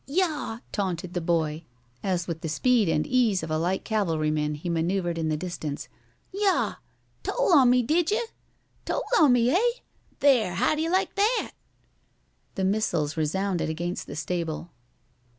"Yah!" taunted the boy, as with the speed and ease of a light cavalryman he manoeuvred in the distance. "Yah! Told on me, did you! Told on me, hey! There! How do you like that?" The missiles resounded against the stable.